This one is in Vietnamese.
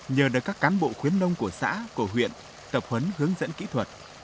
nhờ được các cán bộ khuyến nông của xã của huyện tập huấn hướng dẫn kỹ thuật